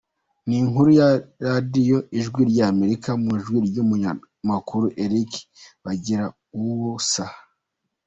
Ni inkuru ya Radiyo Ijwi ry’Amerika, mu ijwi ry’umunyamakuru Eric Bagiruwubusa